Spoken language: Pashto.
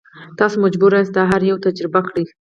تاسو مجبور یاست دا هر یو تجربه کړئ.